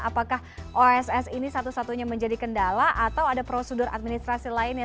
apakah oss ini satu satunya menjadi kendala atau ada prosedur administrasi lainnya